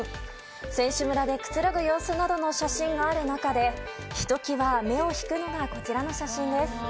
選手村でくつろぐ様子などの写真がある中でひと際、目を引くのがこちらの写真です。